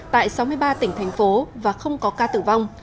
tại sáu mươi ba tỉnh thành phố và không có ca tử vong